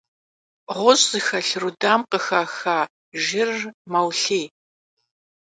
Ğuş' zıxelh rudam khıxaxa jjırır meulhiy.